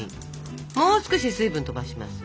もう少し水分飛ばします。